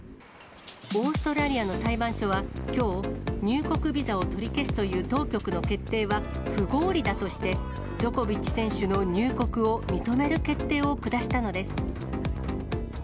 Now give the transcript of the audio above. オーストラリアの裁判所はきょう、入国ビザを取り消すという当局の決定は、不合理だとして、ジョコビッチ選手の入国を認める決定を下したのです。